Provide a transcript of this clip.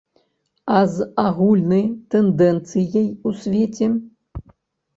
А з агульнай тэндэнцыяй у свеце?